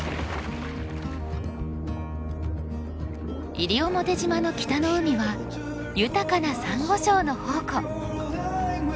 西表島の北の海は豊かなサンゴ礁の宝庫。